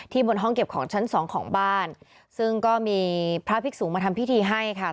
บนห้องเก็บของชั้นสองของบ้านซึ่งก็มีพระภิกษุมาทำพิธีให้ค่ะ